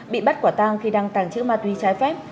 bị bắt quả tang khi đang tàng trữ ma túy trái phép